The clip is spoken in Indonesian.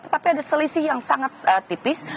tetapi ada selisih yang sangat tipis